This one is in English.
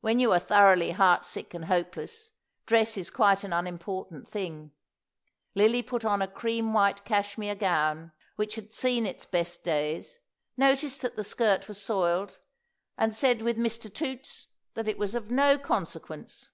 When you are thoroughly heart sick and hopeless, dress is quite an unimportant thing. Lily put on a cream white cashmere gown which had seen its best days, noticed that the skirt was soiled, and said with Mr. Toots that it was of no consequence.